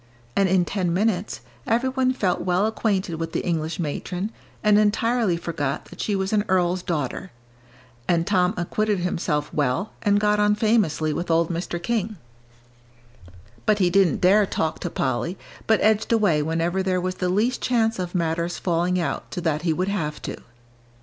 And in ten minutes, every one felt well acquainted with the English matron, and entirely forgot that she was an earl's daughter. And Tom acquitted himself well, and got on famously with old Mr. King. But he didn't dare talk to Polly, but edged away whenever there was the least chance of matters falling out so that he would have to.